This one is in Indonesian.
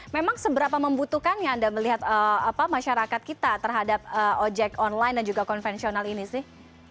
memang seberapa membutuhkannya anda melihat masyarakat kita terhadap ojek online dan juga konvensional ini sih